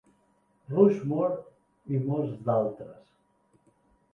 Rushmore, i molts d'altres.